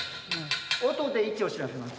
音で位置を知らせます。